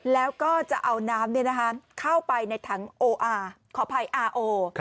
แล้วก็จะเอาน้ำเนี่ยนะฮะเข้าไปในถังโออาร์ขออภัยอาร์โอ